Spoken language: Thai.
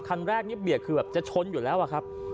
คือแบบจะช้นอยู่แล้วอะครับ